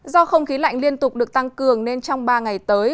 do không khí lạnh liên tục được tăng cường nên trong ba ngày tới